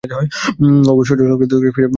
ওগো সজলজলস্নিগ্ধকান্ত সুন্দর, ফিরে এসো!